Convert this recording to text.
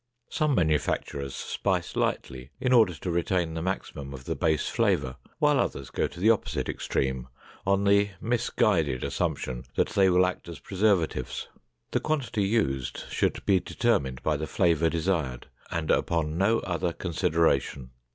Some manufacturers spice lightly in order to retain the maximum of the base flavor, while others go to the opposite extreme on the misguided assumption that they will act as preservatives. The quantity used should be determined by the flavor desired and upon no other consideration.